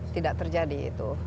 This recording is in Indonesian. tidak terjadi itu